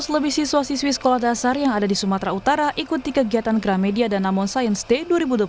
lima ratus lebih siswa siswi sekolah dasar yang ada di sumatera utara ikuti kegiatan gramedia danamon science day dua ribu dua puluh tiga